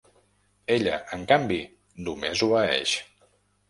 Ella, en canvi, només obeeix.